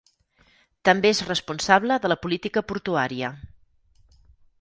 També és responsable de la política portuària.